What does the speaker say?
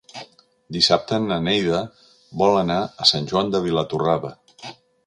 Dissabte na Neida vol anar a Sant Joan de Vilatorrada.